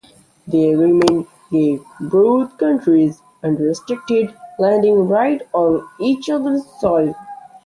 The agreement gave both countries unrestricted landing rights on each other's soil.